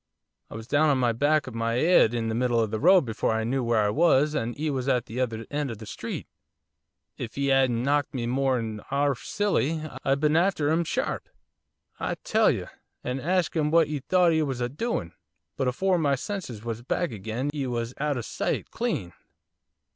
I was down on the back of my 'ead in the middle of the road before I knew where I was and 'e was at the other end of the street. If 'e 'adn't knocked me more'n 'arf silly I'd been after 'im, sharp, I tell you! and hasked 'im what 'e thought 'e was a doin' of, but afore my senses was back agin 'e was out o' sight, clean!